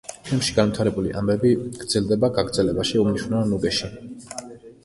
ფილმში განვითარებული ამბები გრძელდება გაგრძელებაში, „უმნიშვნელო ნუგეში“.